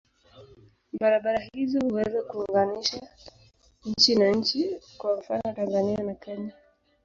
Barabara hizo huweza kuunganisha nchi na nchi, kwa mfano Tanzania na Kenya.